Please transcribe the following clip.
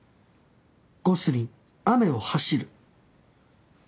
『ゴスリン雨を走る』。